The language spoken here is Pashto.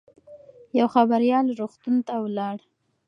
یو خبریال روغتون ته ولاړ.